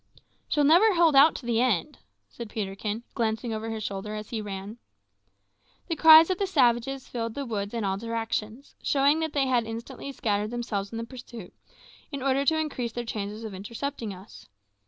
"She'll never hold out to the end," said Peterkin, glancing over his shoulder as he ran. The cries of the savages filled the woods in all directions, showing that they had instantly scattered themselves in the pursuit, in order to increase their chances of intercepting us.